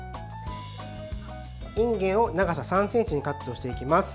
いんげんを長さ３ｃｍにカットしていきます。